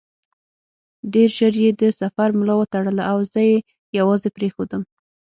ډېر ژر یې د سفر ملا وتړله او زه یې یوازې پرېښودم.